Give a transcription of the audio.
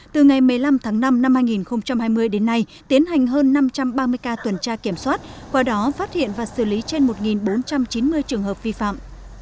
tổng năm hai nghìn hai mươi đến nay tiến hành hơn năm trăm ba mươi ca tuần tra kiểm soát qua đó phát hiện và xử lý trên một bốn trăm chín mươi trường hợp vi phạm